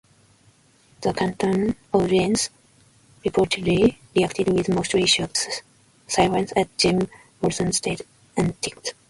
The Canton audience reportedly reacted with mostly shocked silence at Jim Morrison's stage antics.